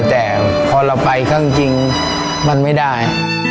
แต่พอเราไปข้างจริงมันไม่ได้